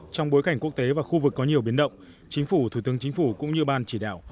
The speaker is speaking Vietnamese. trong bối cảnh quốc tế và khu vực có nhiều biến động chính phủ thủ tướng chính phủ cũng như ban chỉ đạo